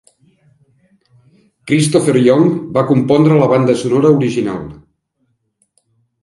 Christopher Young va compondre la banda sonora original.